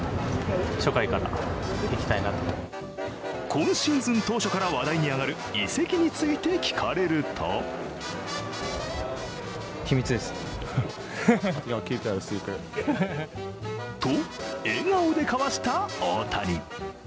今シーズン当初から話題に上がる移籍について聞かれるとと笑顔でかわした大谷。